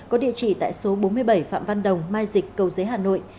có địa chỉ tại số bốn mươi bảy phạm văn đồng mai dịch cầu giấy hà nội